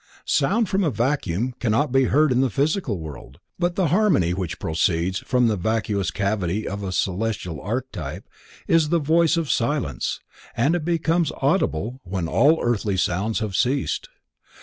Sound from a vacuum cannot be heard in the Physical World, but the harmony which proceeds from the vacuous cavity of a celestial archetype is "the voice of the silence," and it becomes audible when all earthly sounds have ceased.